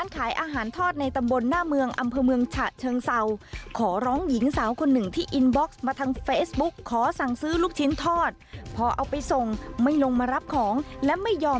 ไทยรัฐช่วยด้วย